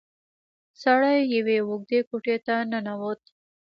سړی يوې اوږدې کوټې ته ننوت.